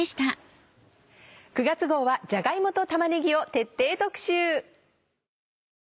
９月号はじゃが芋と玉ねぎを徹底特集。